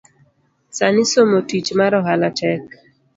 Sani somo tich mar ohala tek